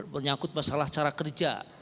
menyangkut masalah cara kerja